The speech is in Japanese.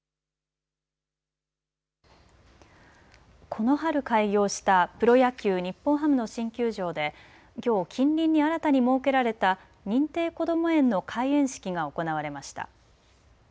この春、開業したプロ野球、日本ハムの新球場できょう近隣に新たに設けられた認定こども園の開園式が行われました。